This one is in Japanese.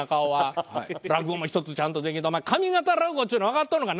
落語も１つちゃんとできんとお前上方落語っちゅうのをわかっとんのか？